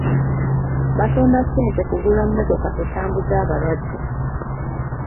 Basonda ssente kugula mmotoka etambuza abalwadde.